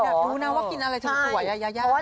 แหวะดูนะว่ากินอะไรจนสวยน่ายายา